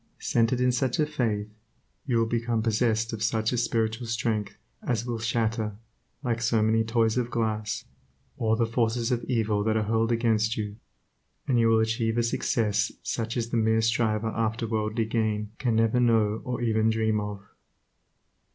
Centered in such a faith, you will become possessed of such a spiritual strength as will shatter, like so many toys of glass, all the forces of evil that are hurled against you, and you will achieve a success such as the mere striver after worldly gain can never know or even dream of.